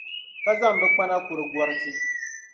ka zaŋ bɛ kpana kuri gɔriti.